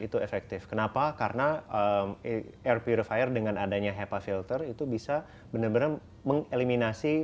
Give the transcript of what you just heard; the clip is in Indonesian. itu efektif kenapa karena air purifier dengan adanya hepa filter itu bisa benar benar mengeliminasi